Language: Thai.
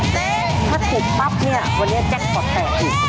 แต่ถ้าถูกปั๊บเนี่ยวันนี้แจ็คพอร์ตแตกอีก